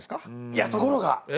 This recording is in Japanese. いやところが！